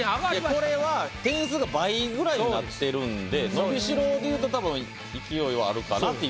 これは点数が倍ぐらいになってるんで伸びしろで言うとたぶん勢いはあるかなっていう。